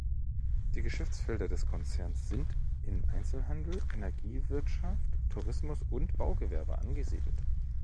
Die Geschäftsfelder des Konzerns sind in Einzelhandel, Energiewirtschaft, Tourismus und Baugewerbe angesiedelt.